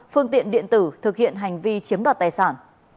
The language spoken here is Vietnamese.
phương tiện điện tử thực hiện hành vi chiếm đoạt tài sản